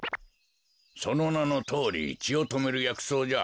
そのなのとおりちをとめるやくそうじゃ。